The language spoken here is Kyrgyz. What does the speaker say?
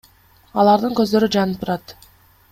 Алардын көздөрү жанып турат.